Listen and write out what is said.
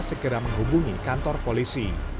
segera menghubungi kantor polisi